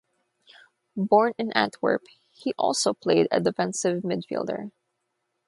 Born in Antwerp, he also played a defensive midfielder.